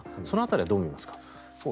その辺りはどう見ますか？